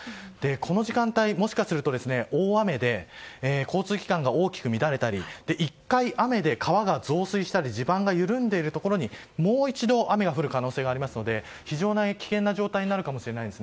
この時間帯、もしかすると大雨で交通機関が大きく乱れたり１回、雨で川が増水したり地盤が緩んでいるところにもう一度、雨が降る可能性がありますので非常に危険な状態になるかもしれません。